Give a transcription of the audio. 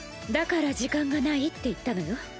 だから時間がないって言ったのよ。